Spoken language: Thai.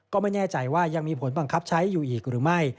ก็ไม่แน่ใจว่ายังมีผลบังคับใช้อยู่อีกหรือไม่